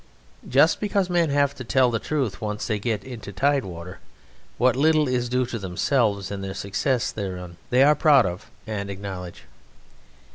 Just because men have to tell the truth once they get into tide water, what little is due to themselves in their success thereon they are proud of and acknowledge.